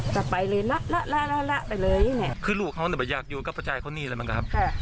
จะไปเลยละละละละละไปเลยเนี่ยคือลูกเขาเนี่ยไม่อยากอยู่ก็ประจายเขานี่เลยมั้งกะครับ